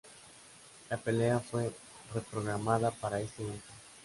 La pelea fue reprogramada para este evento.